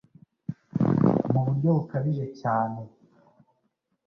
mu buryo bukabije cyane